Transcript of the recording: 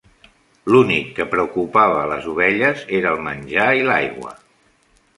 L'únic que preocupava a les ovelles era el menjar i l'aigua.